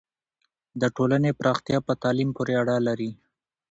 د ټولنې پراختیا په تعلیم پورې اړه لري.